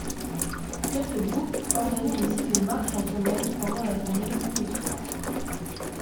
Quelques groupes organisent aussi des marches en semaine pendant la journée ou le soir.